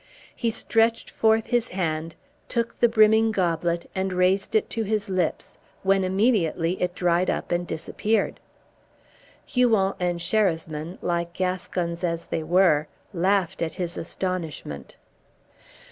He stretched forth his hand, took the brimming goblet, and raised it to his lips, when immediately it dried up and disappeared. Huon and Sherasmin, like Gascons as they were, laughed at his astonishment.